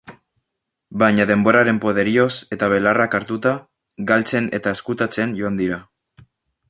Baina denboraren poderioz, eta belarrak hartuta, galtzen eta ezkutatzen joan dira.